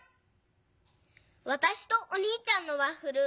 わたしとおにいちゃんのワッフル